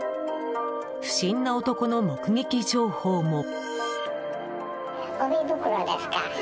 不審な男の目撃情報も。